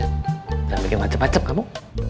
kita bikin macem macem kamu